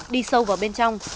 đi sâu vào bên trong